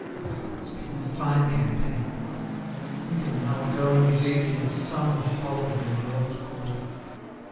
Ah! it's been a fine campaign. We can now go and live in some hovel in the old quarter."